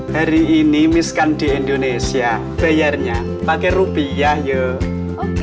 hari ini miskan di indonesia bayarnya pakai rupiah yuk